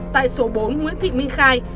tại số bốn nguyễn thị minh khai